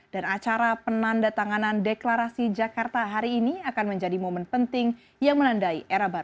dan acara ini akan menunjukkan kepentingan kepentingan dan kepentingan kepentingan